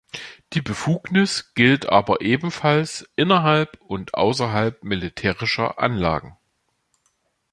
Die Befugnis gilt aber ebenfalls innerhalb und außerhalb militärischer Anlagen.